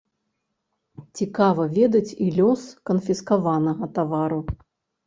Цікава ведаць і лёс канфіскаванага тавару.